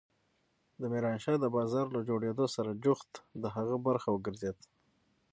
د ميرانشاه د بازار له جوړېدو سره جوخت د هغه برخه وګرځېد.